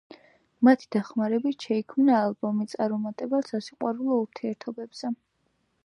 მათი დახმარებით შეიქმნა ალბომი წარუმატებელ სასიყვარულო ურთიერთობებზე.